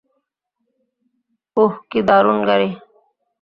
উহ, দারুণ গাড়ি।